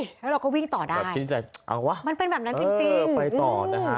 แล้วเราก็วิ่งต่อได้มันเป็นแบบนั้นจริง